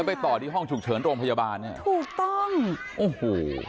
ไปต่อที่ห้องฉุกเฉินโรงพยาบาลเนี่ยถูกต้องโอ้โห